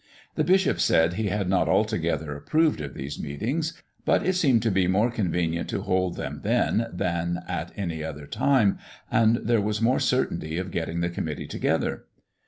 The bishop said he had not altogether approved of these meetings, but it seemed to be more convenient to hold them then than at any other time, and there was more certainty of getting the committee together.